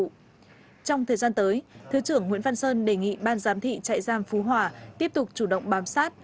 trong thời gian tới thứ trưởng nguyễn văn sơn đề nghị ban giám thị trại giam phú hòa tiếp tục chủ động bám sát